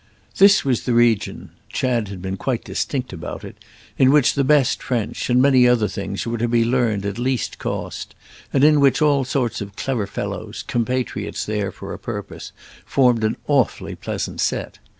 This was the region—Chad had been quite distinct about it—in which the best French, and many other things, were to be learned at least cost, and in which all sorts of clever fellows, compatriots there for a purpose, formed an awfully pleasant set.